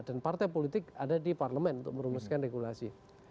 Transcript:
dan partai politik ada di parlemen untuk merumuskan regulasi